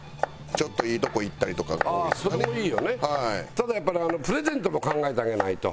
ただやっぱりプレゼントも考えてあげないと。